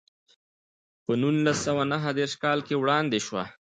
په نولس سوه نهه دېرش کال کې وړاندې شوه.